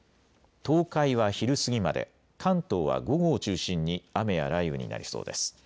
東海は昼過ぎまで、関東は午後を中心に雨や雷雨になりそうです。